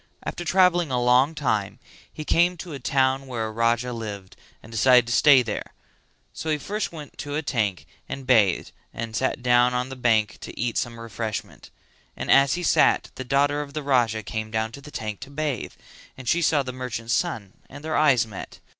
After travelling a long time he came to a town where a Raja lived and decided to stay there; so he first went to a tank and bathed and sat down on the bank to eat some refreshment; and as he sat the daughter of the Raja came down to the tank to bathe and she saw the merchant's son and their eyes met.